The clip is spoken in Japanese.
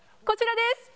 こちらです。